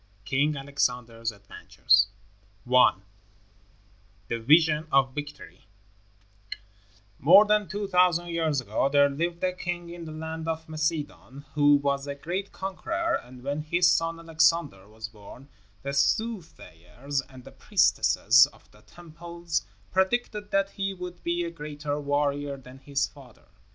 ] King Alexander's Adventures I. THE VISION OF VICTORY More than two thousand years ago there lived a king in the land of Macedon who was a great conqueror, and when his son, Alexander, was born, the soothsayers and the priestesses of the temples predicted that he would be a greater warrior than his father.